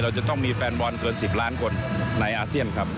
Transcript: จะต้องมีแฟนบอลเกิน๑๐ล้านคนในอาเซียนครับ